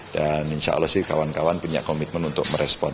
dan insya allah sih kawan kawan punya komitmen untuk merespon